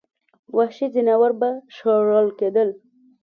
وحشي ځناور به شړل کېدل.